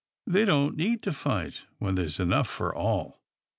They don't need to fight when there's enough for all."